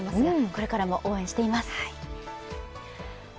これからも応援しています。